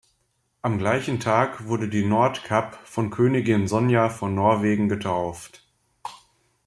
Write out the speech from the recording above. Am gleichen Tag wurde die "Nordkapp" von Königin Sonja von Norwegen getauft.